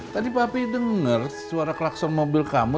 tadi papi denger suara kelakson mobil kamu